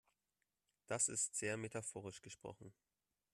Das ist sehr metaphorisch gesprochen.